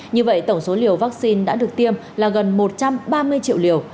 như vậy tổng số liều vaccine đã được tiêm là gần một trăm ba mươi triệu liều